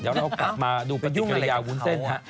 เดี๋ยวเรากลับมาดูปฏิกิริยาวุ้นเส้นฮะ